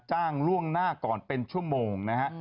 ล่วงหน้าก่อนเป็นชั่วโมงนะฮะ